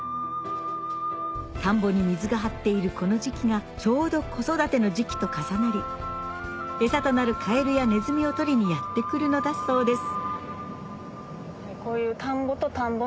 田んぼに水が張っているこの時期がちょうど子育ての時期と重なり餌となるカエルやネズミを捕りにやって来るのだそうです